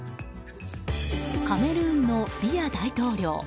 カメルーンのビヤ大統領。